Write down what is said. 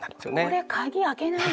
これ鍵開けないと！